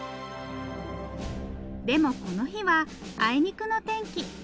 でもこの日はあいにくの天気。